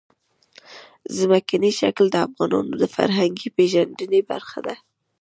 ځمکنی شکل د افغانانو د فرهنګي پیژندنې برخه ده.